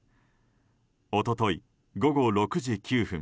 一昨日、午後６時９分